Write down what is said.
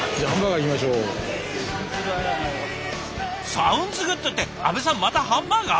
「サウンズグッド」って阿部さんまたハンバーガー？